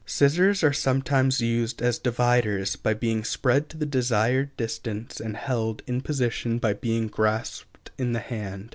Scissors are sometimes used as dividers, by being spread to the desired distance and held in position by being grasped in the hand.